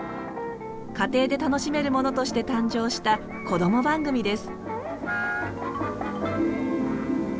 家庭で楽しめるものとして誕生したこども番組です。